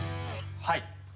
はい。